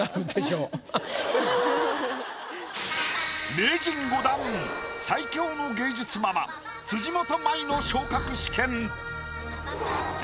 名人５段最強の芸術ママ辻元舞の昇格試験。